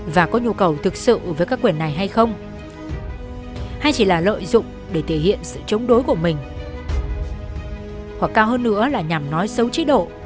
và có nhu cầu thực sự với các quyền này hay không hay chỉ là lợi dụng để thể hiện sự chống đối của mình hoặc cao hơn nữa là nhằm nói xấu chế độ